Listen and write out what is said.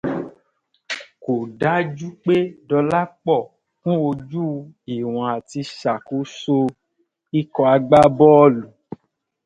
Kò dájú pé Dọlápọ̀ kún ojú ìwọ̀n àti ṣàkóso ikọ̀ agbá bọ́ọ́lù.